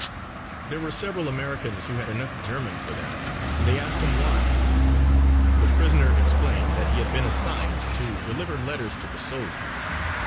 There were several Americans who had enough German for that and they asked him why. The prisoner explained that he had been assigned to deliver letters to the soldiers.